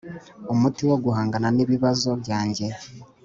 Umuti wo guhangana n ibibazo byanjye